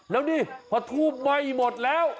แล้วนี่พอทูบไหม้หมดแล้ว